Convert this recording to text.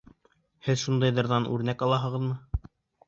— Һеҙ шундайҙарҙан үрнәк алаһығыҙмы?